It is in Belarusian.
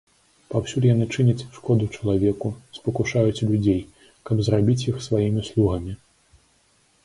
Паўсюль яны чыняць шкоду чалавеку, спакушаюць людзей, каб зрабіць іх сваімі слугамі.